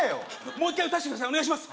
もう一回うたせてくださいお願いします